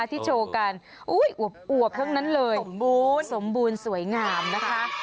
ที่โชว์กันอุ้ยอวบอวบทั้งนั้นเลยสมบูรณ์สมบูรณ์สวยงามนะคะ